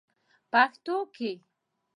پښتو کې: